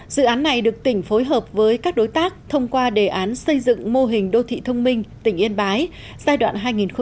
dự án này được tỉnh phối hợp với các đối tác thông qua đề án xây dựng mô hình đô thị thông minh tỉnh yên bái giai đoạn hai nghìn một mươi sáu hai nghìn hai mươi